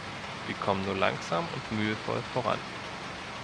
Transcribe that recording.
Wir kommen nur langsam und mühevoll voran.